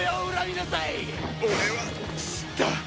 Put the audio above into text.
俺は知った。